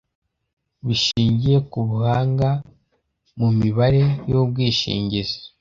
Bishingiye ku buhanga mu mibare y ubwishingizi